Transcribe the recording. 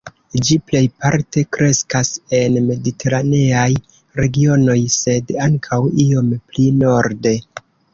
Ĝi plejparte kreskas en Mediteraneaj regionoj, sed ankaŭ iom pli norde.